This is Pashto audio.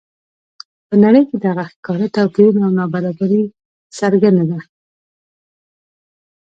په نړۍ کې دغه ښکاره توپیرونه او نابرابري څرګنده ده.